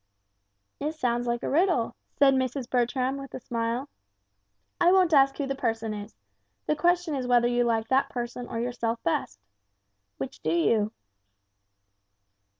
"It sounds like a riddle," said Mrs. Bertram, with a smile. "I won't ask who the person is, the question is whether you like that person or yourself best. Which do you?"